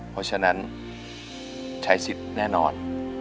เพราะฉะนั้นใช้สิทธิ์แน่นอน